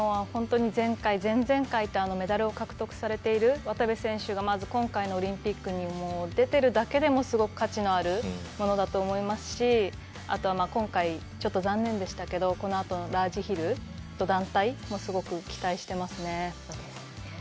本当に前回、前々回とメダルを獲得されている渡部選手がまず今回のオリンピックにも出ているだけでもすごく価値のあるものだと思いますしあとは今回ちょっと残念でしたけどこのあとのラージヒルと団体もすごく期待していますね。